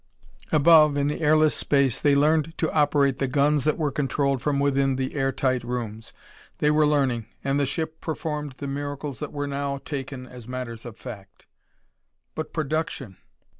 Above, in the airless space, they learned to operate the guns that were controlled from within the air tight rooms. They were learning, and the ship performed the miracles that were now taken as matters of fact. But production!